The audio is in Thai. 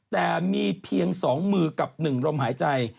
แต่มีเพียงสองมือกับหนึ่งลมหายใจ